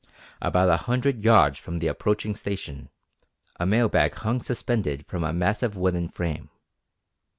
About a hundred yards from the approaching station, a mail bag hung suspended from a massive wooden frame.